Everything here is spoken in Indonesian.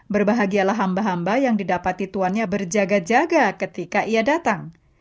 berbahagialah hamba hamba yang didapati tuhannya berjaga jaga ketika ia datang